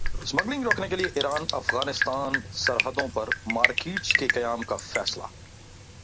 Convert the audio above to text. smuggling روکنے کیلئے Iran Afghanistan سرحدوں پر مارکیٹس کے قیام کا فیصلہ